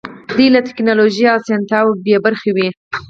دوی له ټکنالوژۍ او اسانتیاوو بې برخې وو.